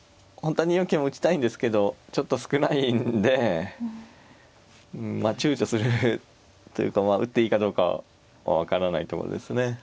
本当は２四桂も打ちたいんですけどちょっと少ないんでまあ躊躇するというかまあ打っていいかどうか分からないところですね。